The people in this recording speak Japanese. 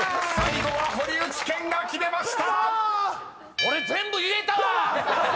俺全部言えたわ！